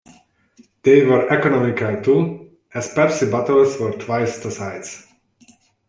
They were economical too, as Pepsi bottles were twice the size.